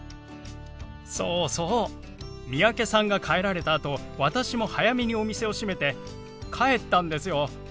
そうそう三宅さんが帰られたあと私も早めにお店を閉めて帰ったんですよ。